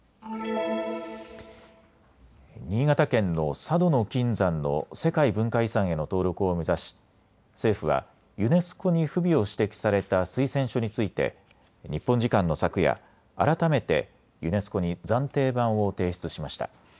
新潟県の佐渡島の金山の世界文化遺産への登録を目指し政府はユネスコに不備を指摘された推薦書について日本時間の昨夜、改めてユネスコに暫定版を提出しました。